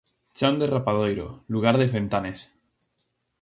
Chan de Rapadoiro, lugar de Fentanes.